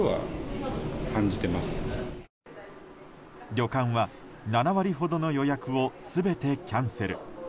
旅館は７割ほどの予約を全てキャンセル。